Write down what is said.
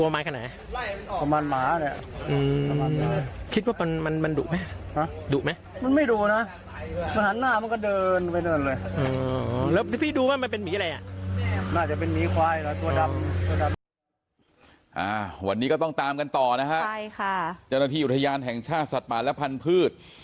มันไม่ดูนะมันหันหน้ามันก็เดินไปเดินเลย